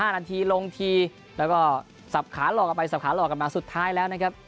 นาทีลงทีแล้วก็สับขาหลอกกันไปสับขาหลอกกันมาสุดท้ายแล้วนะครับ